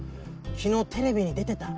昨日テレビに出てた。